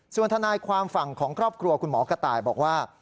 ส่วนทนายความฝั่งของครอบครัวคุณหมอกระต่ายบอกว่า